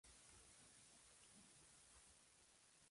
En toda oficina se maneja un código de políticas de oficina propias.